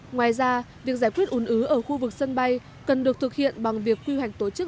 ngoài ra việc giải quyết ùn ứ ở khu vực sân bay cần được thực hiện bằng việc quy hoạch tổ chức